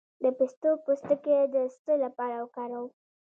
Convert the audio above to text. د پسته پوستکی د څه لپاره وکاروم؟